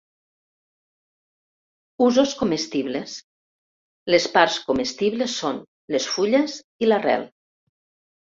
Usos comestibles: les parts comestibles són: les fulles i l'arrel.